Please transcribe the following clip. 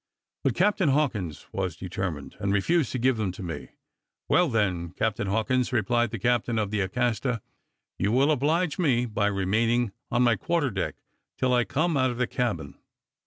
But Captain Hawkins was determined, and refused to give them to me. "Well, then, Captain Hawkins," replied the captain of the Acasta, you will oblige me by remaining on my quarter deck till I come out of the cabin.